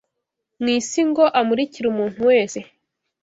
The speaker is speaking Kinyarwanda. mu isi ngo amurikire umuntu wese